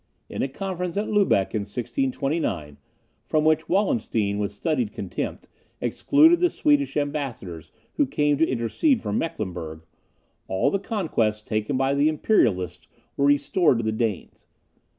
In a conference at Lubeck in 1629, from which Wallenstein, with studied contempt, excluded the Swedish ambassadors who came to intercede for Mecklenburgh, all the conquests taken by the imperialists were restored to the Danes.